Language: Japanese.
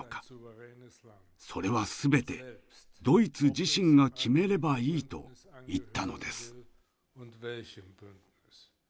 それは全てドイツ自身が決めればいいと言ったのです。